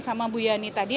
sama bu yani tadi